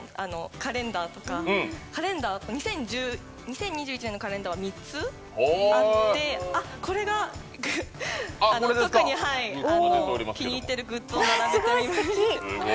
カレンダー、２０２１年のカレンダーは３つあってこれが特に気に入っているグッズを並べた。